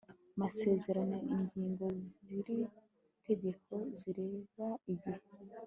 masezerano ingingo z iri tegeko zireba igihe